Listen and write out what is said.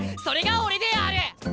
それが俺である！